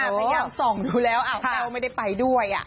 ไม่อยากส่องดูแล้วอ้าวเต้าไม่ได้ไปด้วยอ่ะ